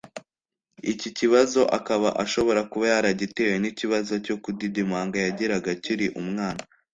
iki kibazo akaba ashobora kuba yaragitewe n’ikibazo cyo kudidimanga yagiraga akiri umwana